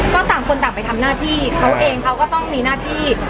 ก็ต่างคนต่างไปทำหน้าที่เขาเองเขาก็ต้องมีหน้าที่